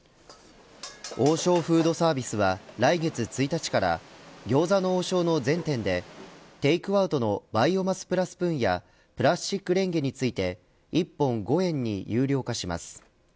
王将フードサービスは来月１日から餃子の王将の全店でテイクアウトのバイオマスプラスプーンやプラスチックレンゲについて１本５円に有料化します。